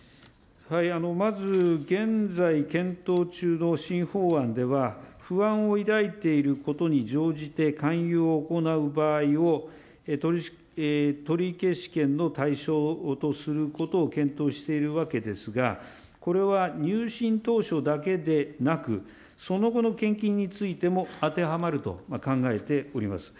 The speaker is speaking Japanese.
まず現在検討中の新法案では、不安を抱いていることに乗じて勧誘を行う場合を、取消権の対象とすることを検討しているわけですが、これは入信当初だけでなく、その後の献金についても当てはまると考えております。